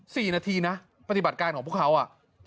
สี่นาทีนะปฏิบัติการของพวกเขาอ่ะ